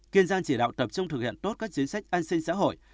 kiên giang chỉ đạo tập trung thực hiện tốt các chính sách an sinh xã hội